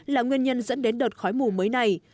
là nguyên nhân dẫn đến đợt khói mù mới này